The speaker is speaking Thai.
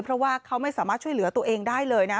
เพราะว่าเขาไม่สามารถช่วยเหลือตัวเองได้เลยนะ